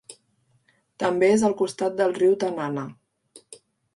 També és al costat del riu Tanana.